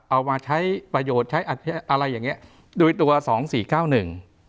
เอามาใช้ประโยชน์ใช้อะไรอย่างเงี้ยโดยตัวสองสี่เก้าหนึ่ง